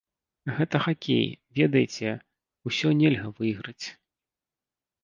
Гэта хакей, ведаеце, усё нельга выйграць.